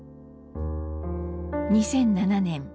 ２００７年。